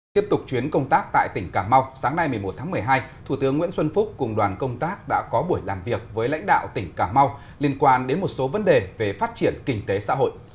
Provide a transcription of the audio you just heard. tiếp tục chuyến công tác tại tỉnh cà mau sáng nay một mươi một tháng một mươi hai thủ tướng nguyễn xuân phúc cùng đoàn công tác đã có buổi làm việc với lãnh đạo tỉnh cà mau liên quan đến một số vấn đề về phát triển kinh tế xã hội